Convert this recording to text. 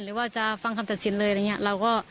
หรือว่าจะฟังคำตัดสินเลยเชื่อ